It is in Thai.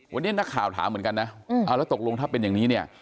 วันนี้นักข่าวถามเหมือนกันนะเอาแล้วตกลงถ้าเป็นอย่างนี้เนี่ย